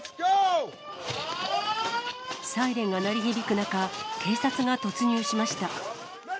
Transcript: サイレンが鳴り響く中、警察が突入しました。